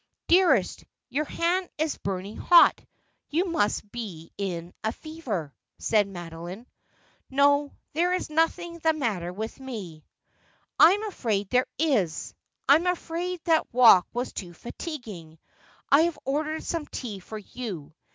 ' Dearest, your hand is burning hot ; you must be in a fever,' said Madoline. ' No ; there is nothing the matter with me.' ' I'm afraid there is. I'm afraid that walk was too fatiguing. I have ordered some tea for you.'